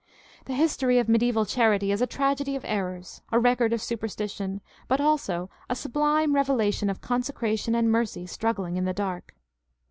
The history of mediaeval charity is a tragedy of errors, a record of super stition, but also a sublime revelation of consecration and mercy struggling in the dark.